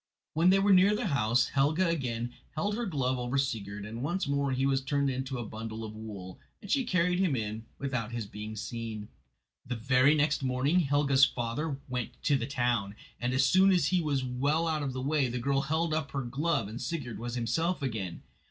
When they were near the house Helga again held her glove over Sigurd, and once more he was turned into a bundle of wool, and she carried him in without his being seen. Very early next morning Helga's father went to the town, and as soon as he was well out of the way the girl held up her glove and Sigurd was himself again.